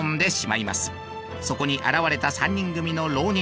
そこに現れた３人組の浪人。